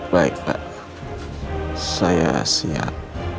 baik pak saya siap